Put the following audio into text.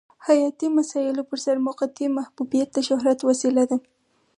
حیاتي مسایلو پرسر موقتي محبوبیت د شهرت وسیله ده.